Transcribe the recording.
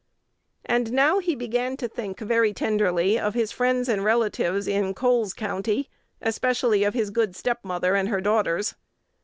And now he began to think very tenderly of his friends and relatives in Coles County, especially of his good stepmother and her daughters.